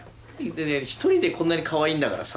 １人でこんなにかわいいんだからさ